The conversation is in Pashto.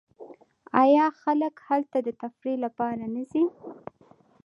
آیا خلک هلته د تفریح لپاره نه ځي؟